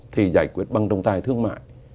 thì giải quyết bằng trong tai thương mại